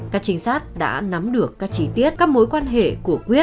các trinh sát đã nắm được các trí tiết các mối quan hệ của quyết